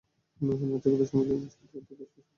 অন্যান্য মাছে মতো সামুদ্রিক মাছ খেতেও অত্যন্ত সুস্বাদু।